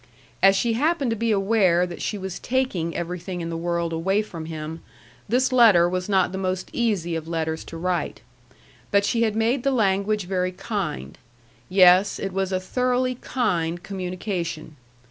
As she happened to be aware that she was taking everything in the world away from him, this letter was not the most easy of letters to write. But she had made the language very kind. Yes; it was a thoroughly kind communication.